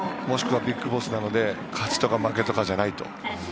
もしくはＢＩＧＢＯＳＳなので勝ちとか負けとかじゃないと。